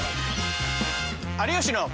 「有吉の」。